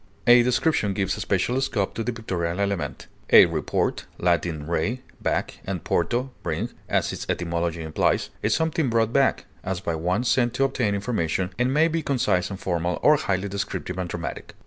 A description gives especial scope to the pictorial element. A report (L. re, back, and porto, bring), as its etymology implies, is something brought back, as by one sent to obtain information, and may be concise and formal or highly descriptive and dramatic.